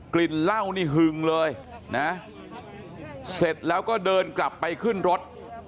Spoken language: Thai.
ลิ่นเหล้านี่หึงเลยนะเสร็จแล้วก็เดินกลับไปขึ้นรถ